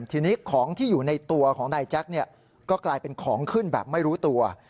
ทีนี้ตัวของนายแจ๊คก็กลายเป็นของขึ้นแบบไม่รู้ตัว